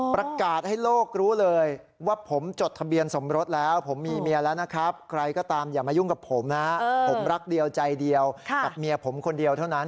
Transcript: ประกาศให้โลกรู้เลยว่าผมจดทะเบียนสมรสแล้วผมมีเมียแล้วนะครับใครก็ตามอย่ามายุ่งกับผมนะผมรักเดียวใจเดียวกับเมียผมคนเดียวเท่านั้น